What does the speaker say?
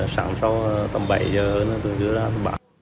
sáng sau tầm bảy giờ tường dưới ra tầm ba